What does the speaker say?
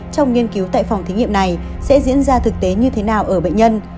trong nghiên cứu tại phòng thí nghiệm này sẽ diễn ra thực tế như thế nào ở bệnh nhân